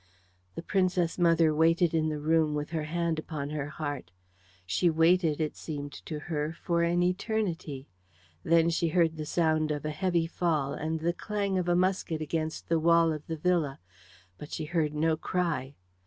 The Princess mother waited in the room with her hand upon her heart. She waited, it seemed to her, for an eternity. Then she heard the sound of a heavy fall, and the clang of a musket against the wall of the villa. But she heard no cry.